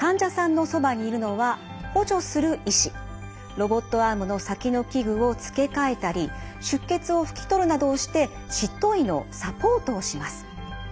ロボットアームの先の器具を付け替えたり出血を拭き取るなどをして執刀医のサポートをします。